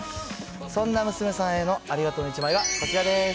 そんな娘さんへのありがとうの１枚がこちらです。